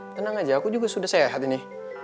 tenang aja aku juga sudah sehat ini